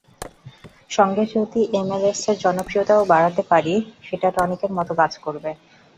সঙ্গে যদি এমএলএসের জনপ্রিয়তাও বাড়াতে পারি, সেটা টনিকের মতো কাজ করবে।